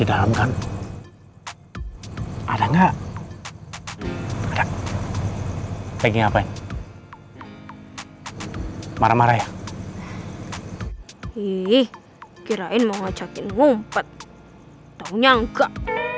ada nggak pengen ngapain marah marah ya ih kirain mau ngajakin ngumpet taunya enggak